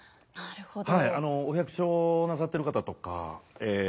お百姓なさってる方とかえ